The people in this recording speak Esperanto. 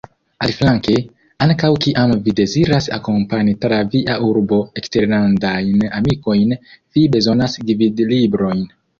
Aliflanke, ankaŭ kiam vi deziras akompani tra via urbo eksterlandajn amikojn, vi bezonas gvidlibron.